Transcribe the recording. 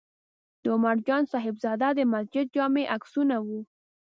د عمر جان صاحبزاده د مسجد جامع عکسونه و.